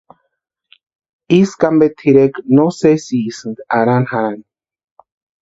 Ísku ampe tʼirekwa no sésïsti arhani jarhani.